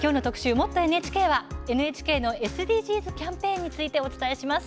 「もっとＮＨＫ」はＮＨＫのＳＤＧｓキャンペーンについてお伝えします。